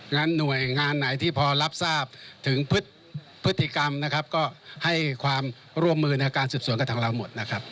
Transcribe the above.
หน่วยงานไหนที่พอรับทราบถึงพฤติกรรมนะครับก็ให้ความร่วมมือในการสืบสวนกับทางเราหมดนะครับ